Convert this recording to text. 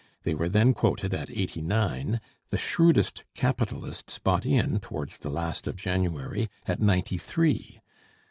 They were then quoted at eighty nine; the shrewdest capitalists bought in, towards the last of January, at ninety three.